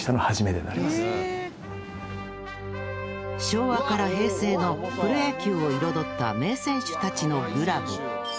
昭和から平成のプロ野球を彩った名選手たちのグラブ。